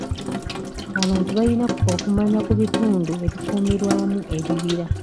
Abantu balina okumanya ku bitundu ebikuumirwamu ebibira.